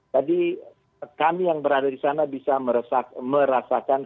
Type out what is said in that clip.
jadi kami yang berada di sana bisa merasakan